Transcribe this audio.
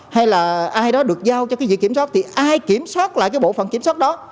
hay là ai đó được giao cho cái việc kiểm soát thì ai kiểm soát lại cái bộ phận kiểm soát đó